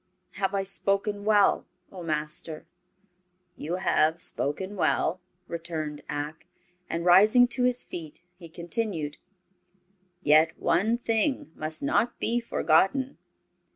Have I spoken well, O Master?" "You have spoken well," returned Ak, and rising to his feet he continued: "Yet one thing must not be forgotten.